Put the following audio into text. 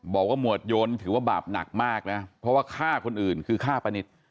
หมวดโยนถือว่าบาปหนักมากนะเพราะว่าฆ่าคนอื่นคือฆ่าป้านิต